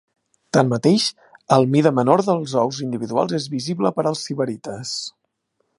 Tanmateix, el mida menor dels ous individuals és visible per als sibarites.